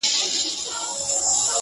چي د وجود- په هر يو رگ کي دي آباده کړمه-